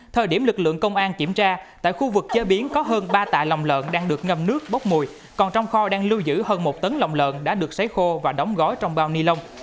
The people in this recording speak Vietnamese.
thời điểm lực lượng công an kiểm tra tại khu vực chế biến có hơn ba tạ lòng lợn đang được ngâm nước bốc mùi còn trong kho đang lưu giữ hơn một tấn lòng lợn đã được xấy khô và đóng gói trong bao ni lông